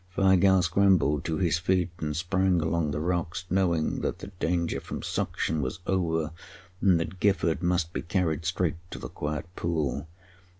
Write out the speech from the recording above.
Weigall scrambled to his feet and sprang along the rocks, knowing that the danger from suction was over and that Gifford must be carried straight to the quiet pool.